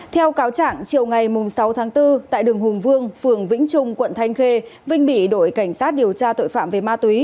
theo cáo trạng chiều ngày sáu tháng bốn tại đường hùng vương phường vĩnh trung quận thanh khê vinh bị đội cảnh sát điều tra tội phạm về ma túy